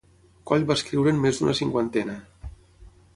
Coll va escriure’n més d’una cinquantena.